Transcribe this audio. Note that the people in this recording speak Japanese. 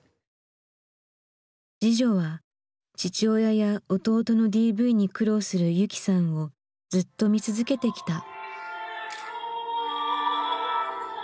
次女は父親や弟のＤＶに苦労する雪さんをずっと見続けてきた。